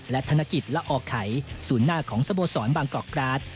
และธนกิจละอไขศูนย์หน้าของสโมสรบางกอกกราศ